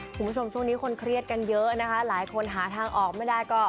คุณผู้ชมช่วงนี้คนเครียดกันเยอะนะคะหลายคนหาทางออกไม่ได้ก็